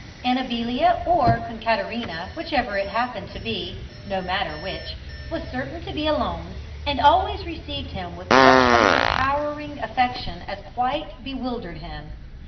Amabilia or Concaterina, whichever it happened to be no matter which was certain to be alone, and always received him with such overpowering affection as quite bewildered him.